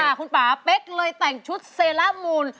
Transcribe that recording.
คุณป่าเป๊กเลยแต่งชุดเซล่ามูล